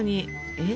えっ？